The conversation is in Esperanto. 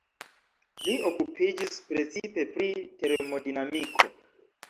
Li okupiĝis precipe pri termodinamiko.